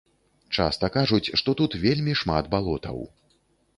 Часта кажуць, што тут вельмі шмат балотаў.